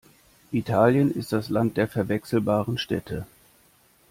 Italien ist das Land der verwechselbaren Städte.